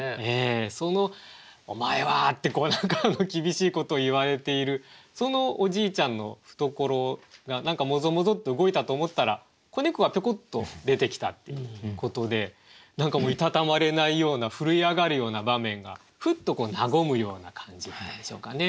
その「お前は！」ってこう何か厳しいことを言われているそのおじいちゃんのふところが何かもぞもぞっと動いたと思ったら子猫がぴょこっと出てきたっていうことで何かもう居たたまれないような震え上がるような場面がふっと和むような感じでしょうかね。